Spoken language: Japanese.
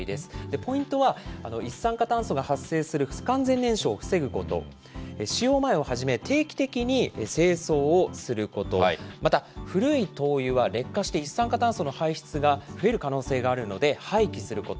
ポイントは、一酸化炭素が発生する不完全燃焼を防ぐこと、使用前をはじめ、定期的に清掃をすること、また古い灯油は劣化して、一酸化炭素の排出が増える可能性があるので、廃棄すること。